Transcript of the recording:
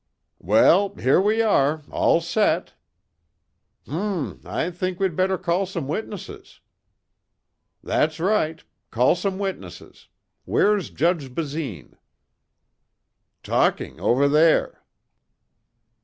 "Well, here we are. All set." "Hm, I think we'd better call some witnesses." "That's right. Call some witnesses. Where's Judge Basine?" "Talking over there."